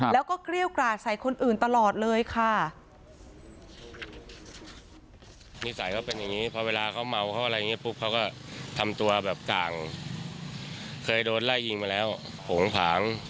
แล้วก็เกรี้ยวกราดใส่คนอื่นตลอดเลยค่ะ